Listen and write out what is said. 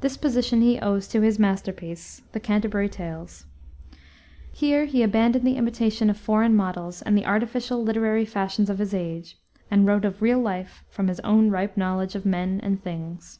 This position he owes to his masterpiece, the Canterbury Tales. Here he abandoned the imitation of foreign models and the artificial literary fashions of his age, and wrote of real life from his own ripe knowledge of men and things.